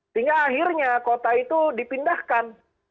sehingga akhirnya kota itu dipindahkan